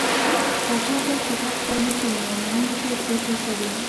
پاچا تل په تخت باندې کيني او مهمې پرېکړې پرې کوي.